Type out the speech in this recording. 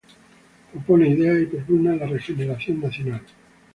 Propone ideas y propugna la regeneración nacional.